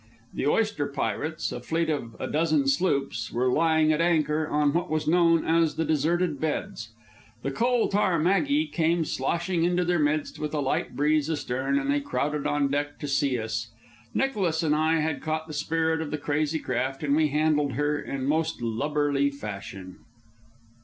The oyster pirates, a fleet of a dozen sloops, were lying at anchor on what was known as the "Deserted Beds." The Coal Tar Maggie came sloshing into their midst with a light breeze astern, and they crowded on deck to see us. Nicholas and I had caught the spirit of the crazy craft, and we handled her in most lubberly fashion.